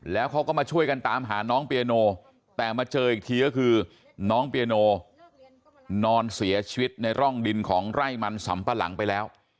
แล้วเขาก็มาช่วยกันตามหาน้องเปียโนแต่มาเจออีกทีก็คือน้องเปียโนนอนเสียชีวิตในร่องดินของไร่มันสำปะหลังไปแล้ว